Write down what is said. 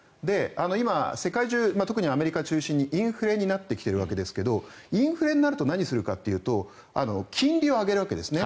今、世界中特にアメリカ中心にインフレになってきているんですがインフレになると何するかというと金利を上げるわけですね。